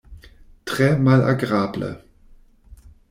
Tre malagrable.